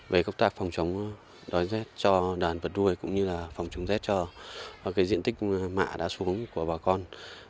về công tác phòng chống z cho đàn vật nuôi cũng như là phòng chống z cho diện tích mạ đá xuống của bà con